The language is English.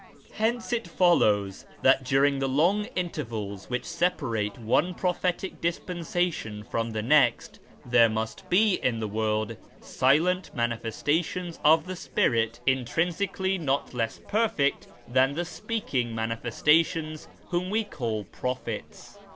Hence it follows that during the long intervals which separate one prophetic dispensation from the next, there must be in the world silent manifestations of the Spirit intrinsically not less perfect than the speaking manifesta tions whom we call prophets.